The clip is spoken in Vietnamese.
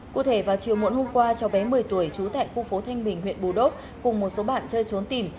cụ thể vào chiều muộn hôm qua cháu bé một mươi tuổi trú tại khu phố thanh bình huyện bù đốc cùng một số bạn chơi trốn tìm